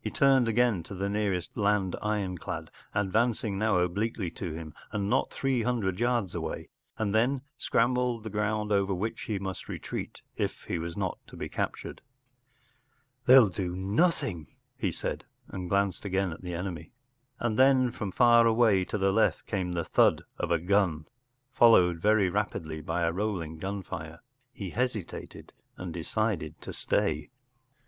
He turned again to the nearest land ironclad, advancing now obliquely to him and not three hundred yards away, and then scanned the ground over which he must retreat if he was not to be captured. “They’ll do nothing,” he said, and glanced again at the enemy. And then from far away to the left came the thud of a gun, followed very rapidly by a rolling gun fire. L He hesitated and decided to stay.